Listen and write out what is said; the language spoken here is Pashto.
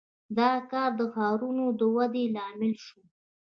• دا کار د ښارونو د ودې لامل شو.